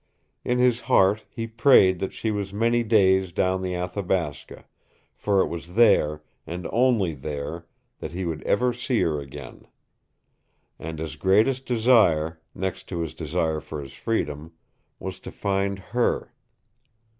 In his heart he prayed that she was many days down the Athabasca, for it was there and only there that he would ever see her again. And his greatest desire, next to his desire for his freedom, was to find her.